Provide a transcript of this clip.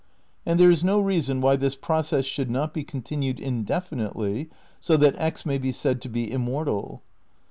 And there is no reason why this process should not be continued indefinitely, so that X may be said to be immortal.